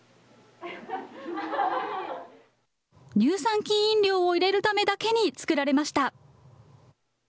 乳酸菌飲料を入れるためだけに作られました。